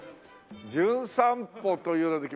『じゅん散歩』というので来ました